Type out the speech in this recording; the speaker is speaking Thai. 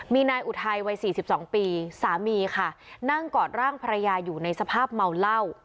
มีนายอุทัยวัย๔๒ปีสามีค่ะนั่งกอดร่างภรรยาอยู่ในสภาพเมาเหล้า